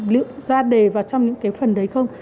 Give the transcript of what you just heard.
liệu ra đề vào trong những cái phần đấy không